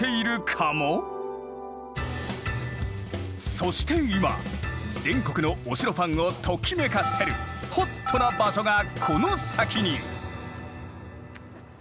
そして今全国のお城ファンをときめかせるホットな場所がこの先に。